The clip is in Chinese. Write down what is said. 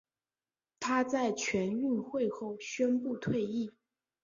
她在全运会后宣布退役。